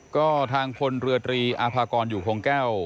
ก็ทางพลเรือตรีอาภากรอยู่คงแก้ว